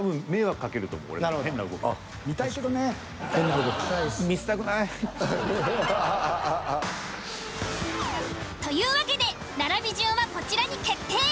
多分変な動き。というわけで並び順はこちらに決定！